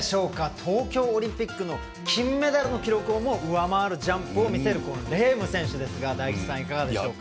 東京オリンピックの金メダルの記録をも上回るジャンプを見せるレーム選手ですが大吉さん、いかがでしょうか。